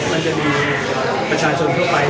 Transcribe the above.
มันจะมีประชาชนทั่วไป